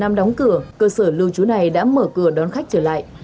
trong năm đóng cửa cơ sở lưu trú này đã mở cửa đón khách trở lại